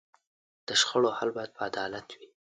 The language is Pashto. د شخړو حل باید په عدالت وي.